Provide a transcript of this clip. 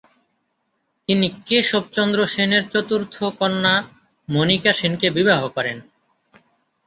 তিনি কেশবচন্দ্র সেনের চতুর্থ কন্যা মনিকা সেনকে বিবাহ করেন।